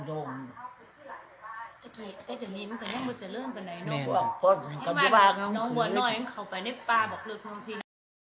น้องบ่นน้องบ่นหน่อยมันเข้าไปได้ป้าบอกเลิกมันทีน้อย